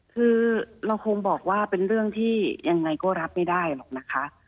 คือเราคงบอกว่าเป็นเรื่องที่ยังไงก็รับไม่ได้หรอกนะคะ